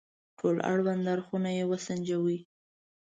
ټول اړوند اړخونه يې وسنجوي.